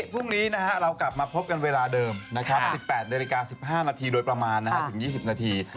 พรุ่งนี้เรากลับมาพบกันเวลาเดิมนะครับ๑๘นาฬิกา๑๕นาทีโดยประมาณถึง๒๐นาที